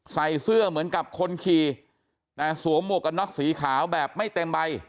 ใส่เสื้อเหมือนกับคนขี่แต่สวมหมวกกันน็อกสีขาวแบบไม่เต็มใบ